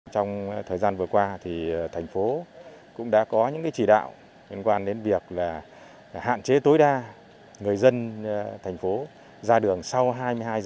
trong thời gian vừa qua thì thành phố cũng đã có những chỉ đạo liên quan đến việc là hạn chế tối đa người dân thành phố ra đường sau hai mươi hai h